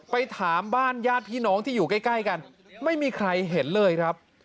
ไปถามบ้านญาติพี่น้องที่อยู่ใกล้กันไม่มีใครเห็นเลยครับ